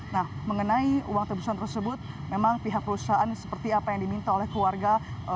nah mengenai uang tebusan tersebut memang pihak perusahaan seperti apa yang diminta oleh keluarga